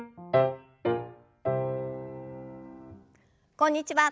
こんにちは。